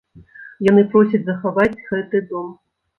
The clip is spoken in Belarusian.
Яны просяць захаваць гэты дом.